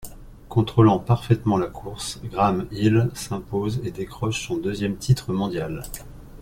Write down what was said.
Contrôlant parfaitement la course, Graham Hill s'impose et décroche son deuxième titre mondial.